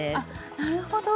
なるほど！